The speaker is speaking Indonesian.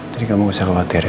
jadi kamu gak usah khawatir ya